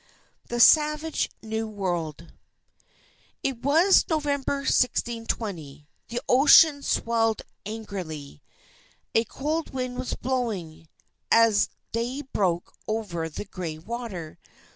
THE SAVAGE NEW WORLD It was November, 1620. The ocean swelled angrily. A cold wind was blowing, as day broke over the gray water.